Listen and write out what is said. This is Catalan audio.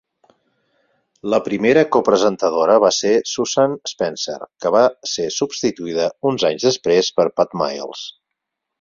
La primera copresentadora va ser Susan Spencer, que va ser substituïda uns anys després per Pat Miles.